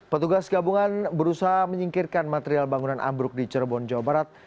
petugas gabungan berusaha menyingkirkan material bangunan ambruk di cirebon jawa barat